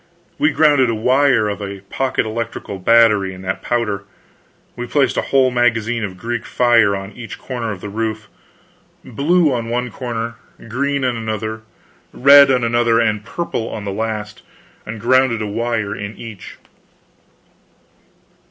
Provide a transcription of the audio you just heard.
We grounded the wire of a pocket electrical battery in that powder, we placed a whole magazine of Greek fire on each corner of the roof blue on one corner, green on another, red on another, and purple on the last and grounded a wire in each.